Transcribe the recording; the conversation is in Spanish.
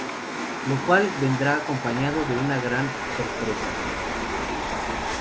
Lo cual, vendrá acompañado de una grata sorpresa.